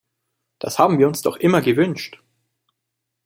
Das haben wir uns doch immer gewünscht!